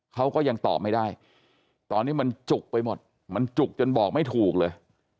เขาก็ยังตอบไม่ได้ตอนนี้มันจุกไปหมดมันจุกจนบอกไม่ถูกเลย